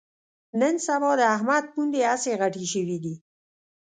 نن سبا د احمد پوندې هسې غټې شوې دي